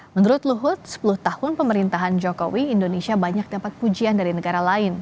menurut luhut sepuluh tahun pemerintahan jokowi indonesia banyak dapat pujian dari negara lain